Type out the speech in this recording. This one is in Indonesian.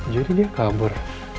jadi dia kabur